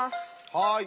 はい。